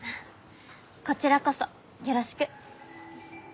こちらこそよろしく。